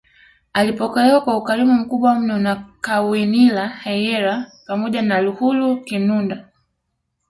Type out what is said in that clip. Alipokelewa kwa ukarimu mkubwa mno na Kawinila Hyera pamoja na Lihuhu Kinunda